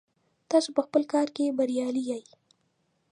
تاسو په خپل کار کې بریالي یئ.